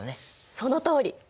そのとおり！